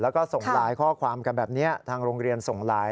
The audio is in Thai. แล้วก็ส่งไลน์ข้อความกันแบบนี้ทางโรงเรียนส่งไลน์